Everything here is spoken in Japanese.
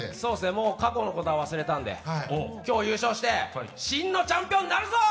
もう過去のことは忘れたんで、今日優勝して真のチャンピオンになるぞ！